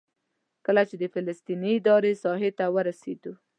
کله چې د فلسطیني ادارې ساحې ته ورسېدو.